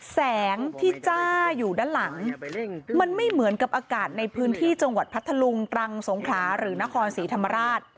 แสงที่จ้าอยู่ด้านหลังมันไม่เหมือนกับอากาศในพื้นที่จังหวัดพัทธลุงตรังสงขลาหรือนครศรีธรรมราช